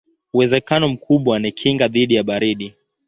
Uwezekano mkubwa ni kinga dhidi ya baridi.